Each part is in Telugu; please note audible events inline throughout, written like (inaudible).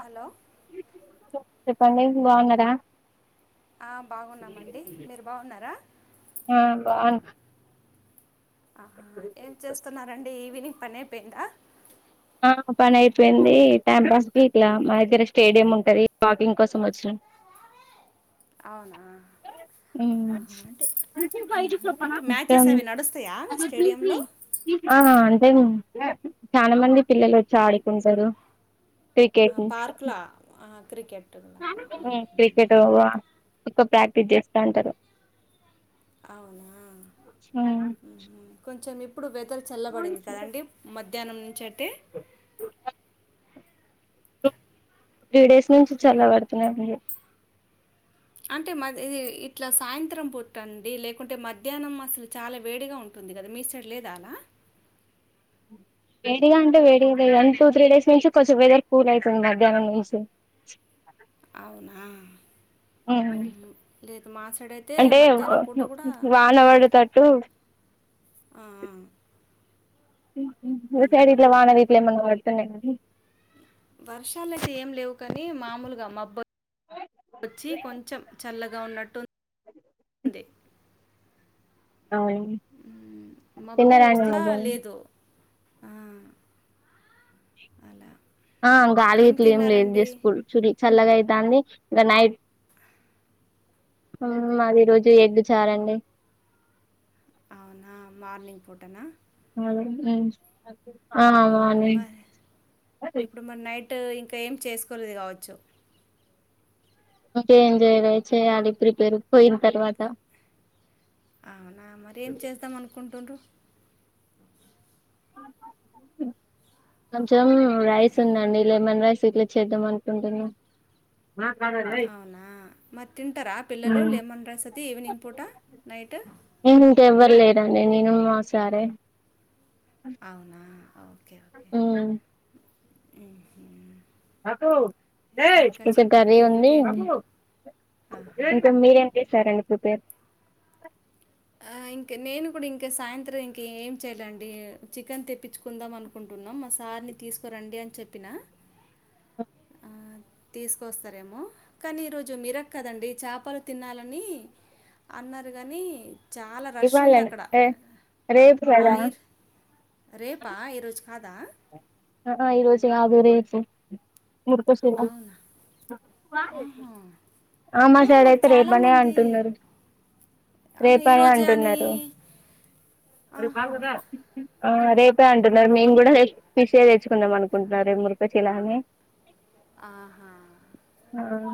హలో పంనిస్ బాగున్నడా ఆ బాగున్నామండి మీరు బాగున్నారా ఆ బాగు ఆ ఏం చేస్తున్నారండి ఈవినింగ్ పని అయిపోయిందా ఆ పని అయిపోయింది టైం పాస్కి ఇట్లా మా దగ్గర స్టేడియం ఉంటది వాకింగ్ కోసం వచ్చినం అవునా ఉమ్ అంటే ఇంకా మ్యాచెస్ అవి నడుస్తాయా స్టేడియంలో ఆ అంతే చాలా మంది పిల్లలు వచ్చి ఆడుకుంటారు ఆ క్రికెట్ ఉమ్ పార్క్లా ఆ క్రికెట్ ఇక ప్రాక్టీస్ చేస్తా ఉంటారు కొంచెం ఇప్పు ఇప్పుడు వెదర్ చల్లబడింది కదండి మధ్యానం నుంచి అయితే త్రీ డేస్ నుంచి చల్ల పడుతునే ఉంది అంటే మది ఇట్లా సాయంత్రం పూట్టండి లేకుంటే మధ్యాహ్నం అసలు చాలా వేడిగా ఉంటుం ఉంది కదా మీ సైడ్ లేదా అలా వేడిగా అంటే వేడిగానీ టూ త్రీ డేస్ నుంచి కొంచెం వెదర్ కూల్ అయితుంది మధ్యనం నుంచి అవునా మ్మ్హ్మ్. లేదు మా సైడ్ అయితే అంటే మధ్యాహ్నం పూట కూడా వానవడుతట్టు ఆ ఆ మీ సైడ్ ఇట్ల మ్మ్హ్మ్. వాన గిట్ల ఏమన్నా వాడుతున్నాయండి వర్షాలు అయితే ఏం లేవు కాని మామూలుగా మబ్బ వచ్చి కొంచెం చల్లగా ఉన్నట్టు అంతె అవును మబ్బు తిన్నరండి వస్తుందా మధ్యానం లేదు ఆ అలా ఆ గాలి గిట్ల ఏం లేదు జస్ట్ పుడి చుడి చల్లగా అయితాంది ఇంగ నైట్ మాది రోజు ఎగ్ చారండి అవునా మార్నినింగ్ పుటన అవును మరి ఇప్పుడు మరి నైట్ ట్ ఇంకా ఏం చేసుకోలేది కావచ్చు ఇంకే ఎం జేయలే చేయాలి ప్రిపేర్ పోయిన తర్వాత అవునా మరి ఏం చేస్తాం అనుకుంటుండ్రు కొంచెం రైస్ ఉందండి లెమన్ రైస్ ఇట్లా చేద్దాం అంటుంటున్నా అవునా మరి తింటారా పిల్లలు మ్ లెమన్ రైస్ అతే ఈవినింగ్ పూట నైట్ ఇంకెవ్వరు లేరుండి నేను మా సారే అవునా ఓకే ఓకే మ్ హాలో ఇంకా కొంచం కర్రీ చెప్పండి ఉంది ఇంకేంటి ఆహా. ఇంక మీరేం చేస్తారండి రీపేర్ ఇంక నేను కూడా ఇంకా సాయంత్రం ఇంక ఏం చెయ్యాలండి చికెన్ తెప్పించుకుందాం అనుకుంటు ఇంగ మా సార్ని తీసుకోరండి అని చెప్పినా ఆహ్ తీసుకొస్తారేమో కానీ ఈరోజు మిరక్ కదండి చాపలు తినాలని అన్నారు గాని చాలా రష్ ఉంది అక్కడ ఇవ్వాలంటే రేపు కదా ఆహ్ ఇర్ రేపా ఈరోజు కాదా ఆహా ఈ రోజు కాదు రేపు ముర్కు అవునా (unintelligible) ఆహా ఆహ్ ఏ మాకడ మరి అయితే రేపనే చాలామంది అంటున్నారు ఆ, రేపాని ఈరోజే అని అంటున్నారు ఆహా ఆహ్ రేపే అంటున్నారు మేము కూడా ఫీషే తెచ్చుకుందాం అనుకుంటున్నారు రేప్ మురగ చీలాని ఆహా ఆహ్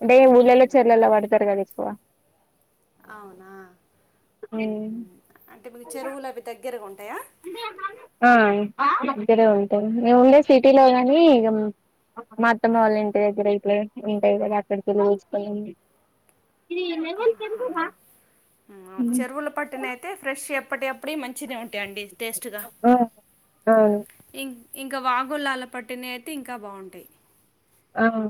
అంటే ఊళ్ళెలో చల్లల్లో పడతారు కదా ఎక్కువ అవునా ఉమ్ అంటే మీకు చెరువులు అవి దగ్గరగా ఉంట ఆహ్ దగ్గరే ఉంటా మేముండే సిటీలో గానీ ఇక మ అత్తమ వాళ్ళ ఇంటి దగ్గర ఇప్పుడ ఉంటాయి కదా అక్కడికి వెళ్ళి తెచ్చుకోవడం ఆహా ఉమ్ అవు చెరువుల పట్టిన అయితే ఫ్రెష్ ఎప్పటివీ అప్పుడు అప్పుడే మంచిద ఉంటాయిండి టేస్ట్గా ఆ అవును ఇం ఇంకా వాగుోళాల పట్టిన అయితే ఇంకా బాగుంటాయి ఆహ్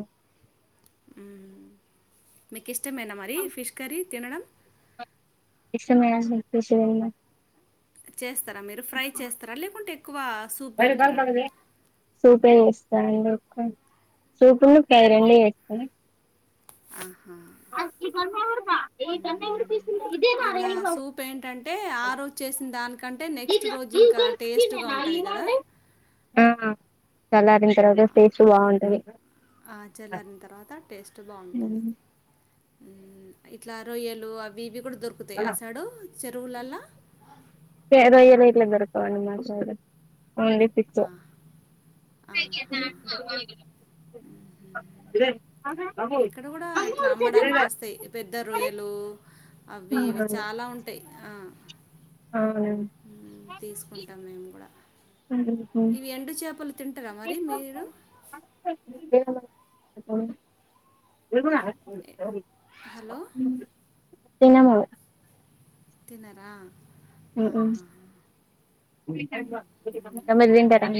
మీకు ఇష్టమే మీన మరి ఫిష్ కర్రీ తినడం ఇష్టమే అండి ఇంట్రెస్ట్ లేదండి చేస్తారా మీరు ఫ్రై చేస్తారా లేకుంటే ఎక్కువ సూప్ పెడతారా సూపే చేస్తా ఎందుకు సూపు ఉన్ను ఫ్రై రెండి చేస్తా అండి ఆహ్ ఇలా సూప్ ఏంటంటే ఆరుచ్చేసినదాని కంటే నెక్స్ట్ రోజు ఇంకా టేస్ట్గా ఉంటది కదా ఆ చలారిన తర్వాత టేస్ట్ బాగుంటది ఆ చెల్లరిన తర్వాత టేస్ట్ బాగుంటది ఇట్లా రొయ్యలు అవిఇవి ఇడు దొరుకుతాయి అసాడు చెరువులలా ఆహ్ రొయ్యలు ఎట్ల దొరకవ్ అండి మా సైడ్ ఓన్లీ పిక్చర్ ఆహా! ఇక్కడ గూడా ఇట్లా అమ్మడానికి వస్తాయి పెద్ద రొయ్యలు అవి ఇవి చాలా ఉంటాయి ఆ అవ్ హ్మ్. తీసుకుంటాం మేము కూడా మరి మీరు? అ ఏ హలో తిన్నము తిన్నార మ్ మ్ మీరు తింటారా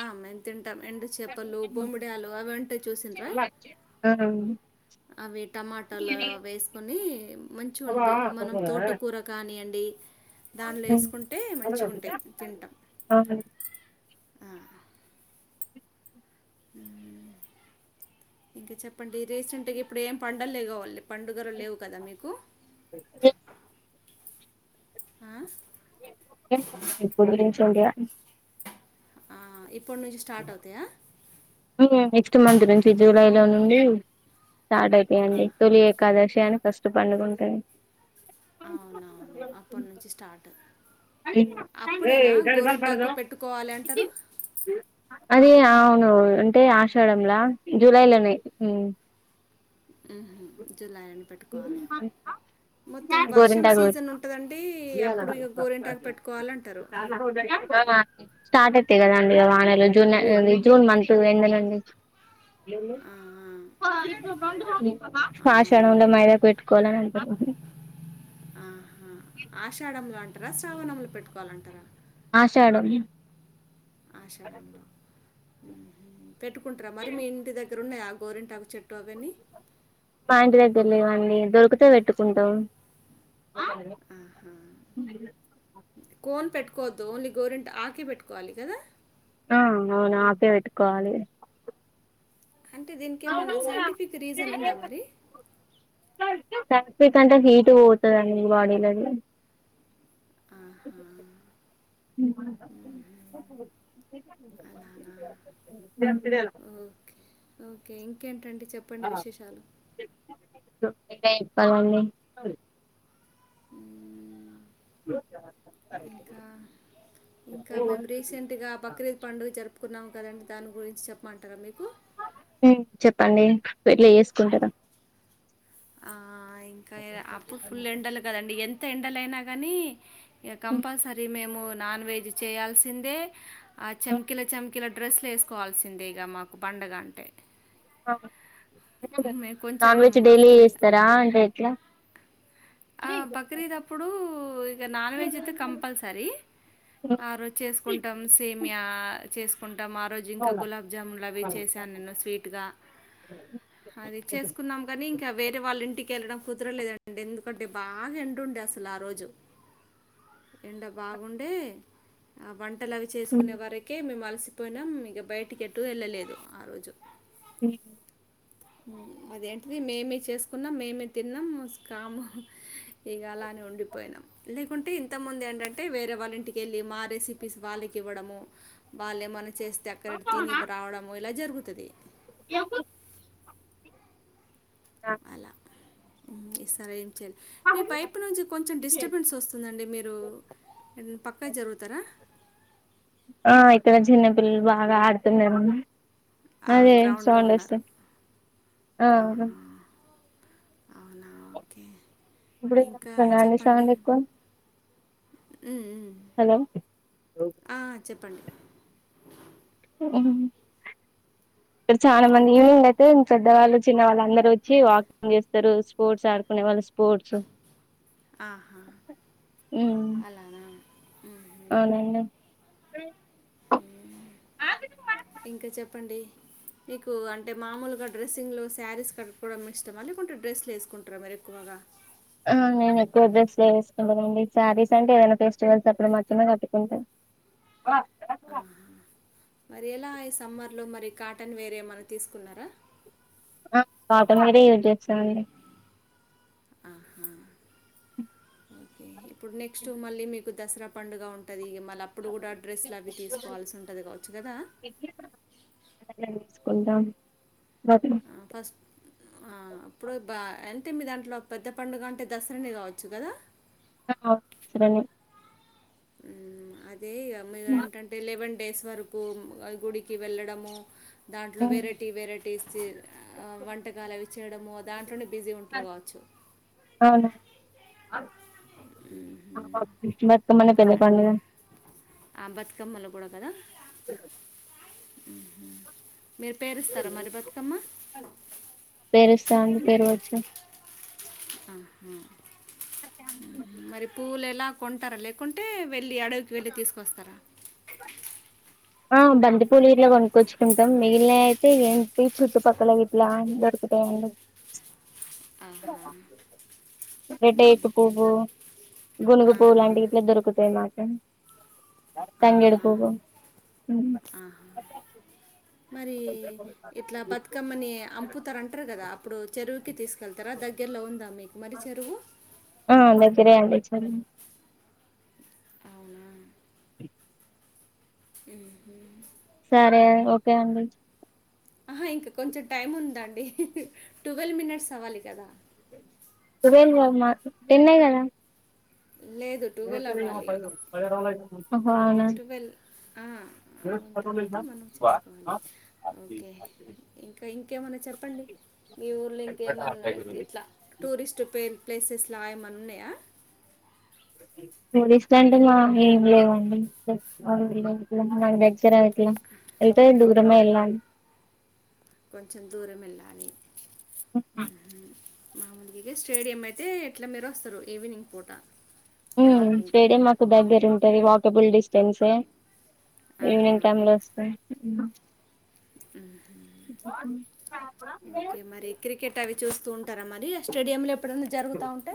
ఆ మేము తింటాం ఎండు చేపలు బొమ్మిడలు అవి ఉంటే చుసిండ్రా అవి టమాటాలు వేసుకొని మంచిగా వంపి మనం తోటకూర కానియండి దానిలో వేసుకుంటే మంచిగుంటాయి తింటా ఇంకా చెప్ ప్పండి రీసెంట్గా ఇప్పుడు ఏం పండలు లే పండుగలు లేవు కదా మీకు ఆ ఇప్పుడు రీసెంట్ గా ఆ, ఇప్పటి నుంచి స్టార్ట్ అయితాయా మ్ నెక్స్ట్ మంత్ నుంచి జూలై లో నుండి స్టార్ట్ అయితయండి తొలి ఏకాదశి అని ఫస్ట్ పండుగుంటది అవునవును అప్పటి నుంచి స్టార్ట్ అప్పుడేనా గోరింటాకు పెట్టుకోవాలి అంటారు అది అ అవును అంటే ఆషాడలా జూలై లనే మ్ మ్ హు జులై అని పెట్టుకోవాలి మొత్తం వర్షం గోరింటాకు సీజన్ ఉంటదండి అప్పుడు ఇగ గో (unintelligible) స్టార్ట్ అవుతాయి కదాండి ఇగ వానలు జూన జూన్ మంత్ ఎండ్ నుండి ఆ, ఆ, పాాషడం అవును ల మైదాక్ పెట్టుకోవాలని ఆ ఆహా ఆషాఢములో అంటారా శ్రావణములో పెట్టుకోవాలంటారా ఆశాడం ఆషాడం లో పెట్టుకుంటారా మరి మీ ఇంటి దగ్ ఇగ్రున్నాయ ఆ గోరింటాకు చెట్టు అవన్నీ మ ఇంటి దగ్గర లేవ్వండి దొరికితే పెట్టుకుంటాం ఆహా కోన్ పెట్టుకోవద్దు ఓన్లీ గోరిెంట్ ఆకే పెట్టుకోవాలి కదా ఆ అవును ఆకే పెట్టుకోవాలి అంటే దీనికి ఏమైనా సైంటిఫిక్ రీజన్ ఉందా మరి కంటే హీట్ పోతదండి బాడీలది ఆహా అలానా ఓకే ాల ఓకే ఇంకేంటండి చెప్పండి విశేషాలు ఇంకా చెప్పలండి మ్మ్, సరే ఇంకా ఇంకా మేము రీసెంట్గా బక్రీద్ పండుగ జరుపుకున్నాము కదండి దాని గురించి చెప్పమంటారా మీకు మ్ చెప్ప ఎట్లా వేసుకుంటారో ఆ! ఇంకా అప్పుడు ఫుల్ ఎండలు కదండి ఎంత ఎండలయినా కానీ కంపల్సరీ మేము కొన్ని నాన్ వెజ్ చేయాల్సిందే ఆ చెమకిల చెమకిల డ్రెస్లు వేసుకోవాల్సిందే ఇ మాకు బ పండగ అంటే మేము కొంచెం నాన్ వెజ్ డైలీ ఇగ చేస్తారా అంటే ఎట్లా బక్రీదప్పుడు ఇక నాన్ వెజ్ అయితే కంపల్సరీ ఆ రోజు చేసుకుంటాం సేమియా టం మా రోజు ఇంకా గులాబ్జామున్లు అవి చేశాను నేను స్వీట్గా అది చేసుకున్నాం కాని ఇంకా వేరే వాళ్ళ ఇంటికి వెళ్ళడం కుదరలేదండి ఎందుకు ఒకటి బాగా ఎండుండే అసలు ఆ రోజు ఎండ బాగుండే ఆ వంట వంటలు అవి చేసుకునే వరకే మేము అలసిపోయినాం మీక బయటికి అట్టు వెళ్ళలేదు ఆ రోజు హు అదేంటిది మేమే చేసుకున్నాం మేమే తిన్నాం కాము ఇక అలానే ఉండిపోయినాం లేకుంటే ఇంతముందు ఏంటంటే వేరే వాళ్ళ ఇంటికెళ్ళి మా రెసిపీస్ వాళ్ళకి కి ఇవ్వడము వాళ్ళ ఏమన్నా చేస్తే అక్కడ తిని రావడము ఇలా జరుగుతుంది ఎన్ అలా ఈ సర మీ వైపు నుంచి కొంచెం డిస్టర్బెన్స్ వస్తుందండి మీరు పక్కా జరుగుతారా ఆ ఇక్కడ చిన్నపిల్లలు బాగా ఆడుతున్నారుడి ఆ అదే గ్రౌండ్లో సౌండ్ ఉన్నారు వస్తుంది ఆ ఆహా! అవునా! ఓకే. ఇప్పుడు ఇంకా వినిపిస్తుందండి చెప్పండి. మీకు హ్మ్. హ్మ్. హలో ఆ! చెప్పండి ఇక్కడ చాలా మీరు మంది క్రిక్ ఈయవినింగ్ అయితే పెద్దవాళ్ళు చిన్న వాళ్ళు అందరు వచ్చి వాకింగ్ చేస్తారు స్పోర్ట్స్ ఆడుకునే వాళ్ళు స్పోర్ట్స్ ఆహా అలానా రూ ఇంకా చెప్పండి నీకు అంటే మామూలు ఇంకా డ్రెస్సింగ్లో శారీస్ కట్టుకోవడం ఇష్టం లేకుంటే డ్రెస్లు వేసుకుంటారా మీరు ఎక్కువగా ఆ నేను ఎక్కువ డ్రెస్లు వేసుకుంటానుండి శారీస్ అంటే ఏదైనా ఫెస్టివల్స్ అప్పుడు మాత్రమే కట్టుకుంటాను బ ఆహా! మరి ఎలా ఈ సమ్మర్లో మరి కాటన్ వేర్ ఏమైనా తీసుకున్నారా కాటన్ వీరే యూజ్ చేస్తామండి ఆహా ఓకే ఇప్పుడు నెక్స్ట్ మళ్ళీ మీకు దసరా పండుగ ఉంటుంది మళ్ అప్పుడు కూడా డ్రెస్సులు అ తీకోల్సి ఉంటుంది కావచ్చు కదా అట్లనే తీసుకుంటాం బతుకమ్మ ఆ ఫస్ట్ ఆ ఇప్పుడు బా ఎ అంటే మీదాన్నిట్లో పెద్ద పండుగ అంటే దసరాని కావచ్చు కదా సరేని అదే ఇక మీరుంటంటే లేవెన్ సెవెన్ డేస్ వరకు గుడికి వెళ్ళడము దాంట్లో వెరైటీ వెరైటీస్ వంటకాలు అవి చేయడము దాంట్లోనే బిజీ ఉంటారు కావచ్చు మ్మ్. బస్త మన పెద్ద పండుగ కమ్మల కూడా కదా మీరు పేరుస్తారా మరి బతుకమ్మ చాంది పేరు వచ్చు ఆ మరి పూలు ఎలా కొంటారా లేకుంటే వెళ్ళి అడవికి వెళ్ళి తీసుకొస్తారా ఆ బంతిపూలి ఇట్లా కొనుక్కొచ్చుకుంటాం మిగిలిన అయితే ఏంటి చుట్టుపక్కల ఇట్లా దొరుకుతా అ ఆహా రేట్టే ఎకు మ్మ్హ. పువ్వు గునుగు ఆ, పువ్వు ఆ. లాంటివి ఇట్లా దొరుకుతాయి మాట తంగెడు అవునా పువ్వు ఆ. మరి ఇట్లా బతుకమ్మని అంపుతార అంటరు కదా అప్పుడు చెరువుకి తీసుకెళ్తారా దగ్గర్లో ఉందా మీకు మ చెరువు ఆ దగ్గరే అండి చెరువు అవునా ఉ సరే ఓకే అండి ఆహా ఇంకా కొంచెం టైం ఉందండి టువల్వ్ మినిట్స్ అవ్వాలి కదా ట్వెల్వ్ మా టెన్నే కదా లేదు టువల్వ్ అవ్వాలి ఓహో అవునా టువల్వ్ ఆ అవున తర్వాత మనం చేసుకోవాలి ఓకే ఇంకా ఇంకేమన్నా చెప్పండి మీ ఊర్లో ఇంకేమన్నా ఇట్లా టూరిస్ట్ పేర్లు ప్లేసెస్ లా ఏమన్న ఉన్నాయా పోలీస్ట్ అంటే మా ఏం లేవండి నా దగ్ర అ లా వెళ్తే దూరమే వెళ్లాను కొంచెం దూరం వెళ్ళాలి మామూలుగా స్టేడియం అయితే ఎట్లా మీరు వస్తరు ఈవినింగ్ పూట వాకింగ్గా స్టేడియం మాకు దగ్గర ఉంటుది వాకబుల్ డిస్టెన్సే ఆహా ఈవినింగ్ టైమ్ లో వస్తా ఓకే మరి క్రికెట్ అవి చూస్తూ ఉం ఉంటారా మరి ఆ స్టేడియంలో ఎప్పుడైనా జరుగుతా ఉంటే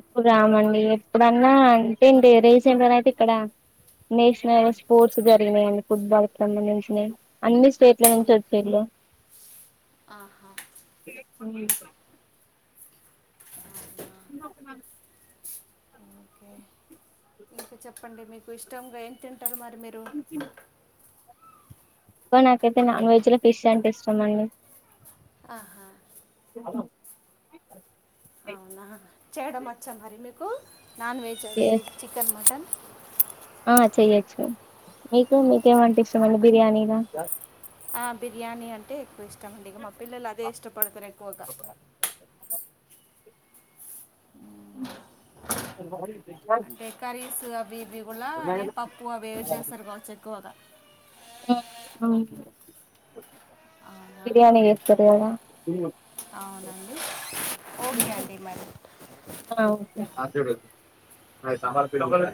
ఎప్పుడు రామండి ఎప్పుడన్నా అంతే బంద్ అండి కరియా పాణి రీసెంట్గా అయితే ఇక్కడ నేషనల్ స్పోర్ట్స్ జరిగినాయం ఫుట్బాల్ కి సంబంధించినవి అన్ని స్టేట్ల నుంచి వచ్చిరు ఆహా అ ఇంగా ఉన్నారు ఓకే ఇంకా చెప్పండి మీకు ఇష్టంగా ఏంటి ట్టారు మరి మీరు బ్బా నాకైతే నాన్ వెజ్ లో ఫిష్ అంటే ఇష్టం అండి ఆహా అ అవునా చేయడం వచ్చా మరి మీకు నాన్ వెజ్ అది చికెన్ మటన్ ఆ చెయ్యొచ్చు మీకు మీకేమంటే ఇష్టండి బిర్యానీనా ఆహ్ బిర్యానీ అంటే ఎక్కువ ఇష్టం అండి ఇక మా పిల్లలు అదే ఇష్టపడతారు ఎక్కువగా. (inaudible) ఉమ్ (inaudible) అంటే కర్రీస్ అవి ఇవి కూడా ఏ పప్పు అవి ఇవి చేస్తారు కావచ్చు ఎక్కువగా. ఆహ్ అవును. అవునా బిర్యాని చేస్తారు కదా. అవునండి ఓకే అండి మరి. ఆహ్ ఓకే. ఆహ్ తమర్ఫిదా ఒక్కరే